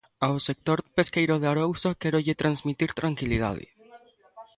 Ao sector pesqueiro de Arousa quérolle transmitir tranquilidade.